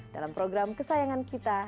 dalam program kesayangan kita